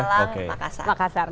beden malang makassar